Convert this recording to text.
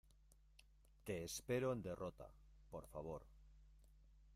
te espero en derrota. por favor .